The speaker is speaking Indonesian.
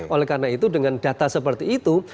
oleh karena itu dengan data seperti itu